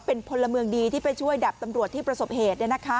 เป็นพลเมืองดีที่ไปช่วยดับตำรวจที่ประสบเหตุ